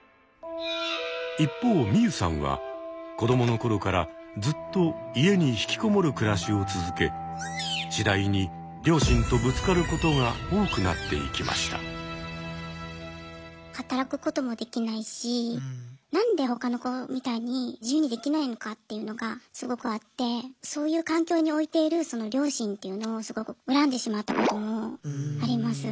一方ミユさんは子どものころからずっと家に引きこもる暮らしを続け働くこともできないしなんで他の子みたいに自由にできないのかっていうのがすごくあってそういう環境に置いているその両親っていうのをすごく恨んでしまったこともあります。